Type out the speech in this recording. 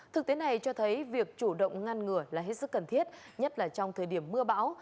thực tế này cho thấy việc chủ động ngăn ngừa là hết sức cần thiết nhất là trong thời điểm mưa bão